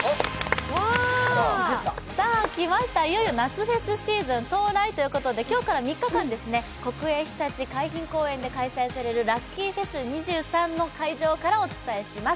きました、いよいよ夏フェスシーズン到来ということで、今日から３日間、国営ひたち海浜公園で開催されるＬｕｃｋｙＦｅｓ’２３の会場からお伝えします。